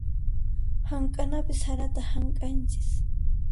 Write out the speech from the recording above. Hamk'anapi sarata hamk'anchis.